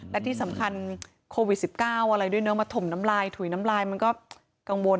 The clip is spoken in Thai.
และที่สำคัญโควิด๑๙อะไรด้วยเนอะมาถมน้ำลายถุยน้ำลายมันก็กังวล